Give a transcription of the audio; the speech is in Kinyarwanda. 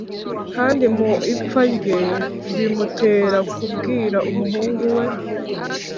kandi mu ipfa rye bimutera kubwira umuhungu we